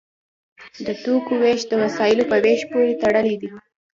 د توکو ویش د وسایلو په ویش پورې تړلی دی.